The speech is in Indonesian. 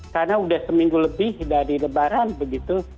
karena sudah seminggu lebih dari lebaran begitu